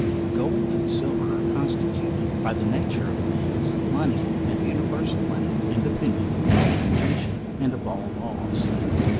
Gold and silver are constituted, by the nature of things, money, and universal money, independent of all convention, and of all laws.